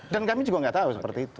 dan kami juga nggak tahu seperti itu